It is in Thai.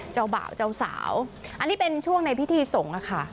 เจ้าบ่าวเจ้าสาวอันนี้เป็นช่วงในพิธีสงฆ์ค่ะ